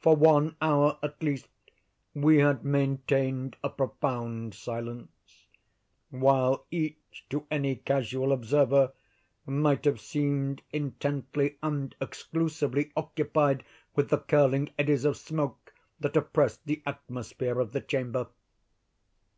For one hour at least we had maintained a profound silence; while each, to any casual observer, might have seemed intently and exclusively occupied with the curling eddies of smoke that oppressed the atmosphere of the chamber.